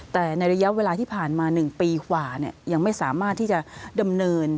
แต่ในระยะเวลาที่ผ่านมา๑ปีกว่ายังไม่สามารถที่จะดำเนิน